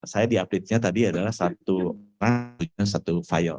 saya di update nya tadi adalah satu fire